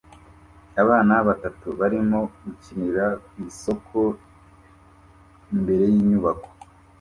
Abana batatu barimo gukinira ku isoko imbere yinyubako